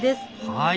はい。